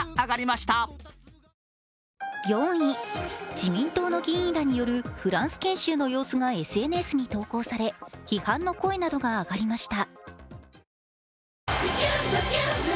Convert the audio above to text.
自民党の議員らによるフランス研修の様子がＳＮＳに投稿され批判の声などが上がりました。